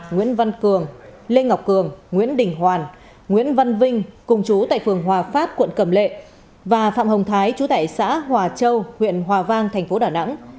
nguyễn văn cường lê ngọc cường nguyễn đình hoàn nguyễn văn vinh cùng chú tại phường hòa pháp quận cẩm lệ và phạm hồng thái chú tại xã hòa châu huyện hòa vang thành phố đà nẵng